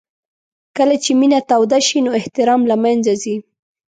کله چې مینه توده شي نو احترام له منځه ځي.